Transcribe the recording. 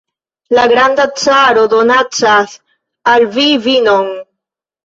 La granda caro donacas al vi vinon!